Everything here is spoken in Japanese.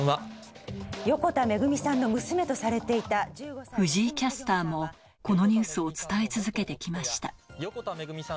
横田めぐみさんの娘とされて藤井キャスターも、このニュースを伝え続けてきました。